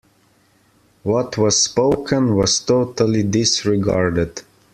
What was spoken was totally disregarded.